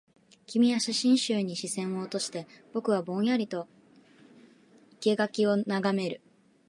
君は写真集に視線を落として、僕はぼんやりと生垣を眺める